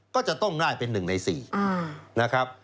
ก็จะต้องได้เป็น๑ใน๔นะครับ